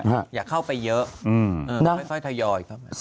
อยากเข้าไปเยอะไฟทยอย